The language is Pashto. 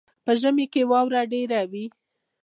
په ژمي کې واوره ډیره وي.